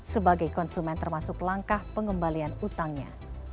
sebagai konsumen termasuk langkah pengembalian utangnya